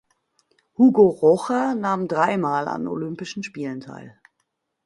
Hugo Rocha nahm dreimal an Olympischen Spielen teil.